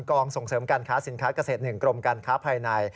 ส่งเสริมการค้าสินค้าเกษตร๑กรมการค้าภายใน